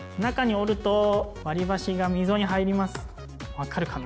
わかるかな？